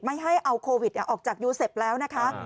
ไม่ให้เอาโควิดออกจากยูเซฟแล้วนะคะ